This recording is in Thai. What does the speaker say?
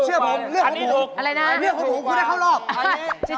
เรียกคนถูกก็ได้เข้ารอบ